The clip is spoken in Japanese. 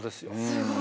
すごい。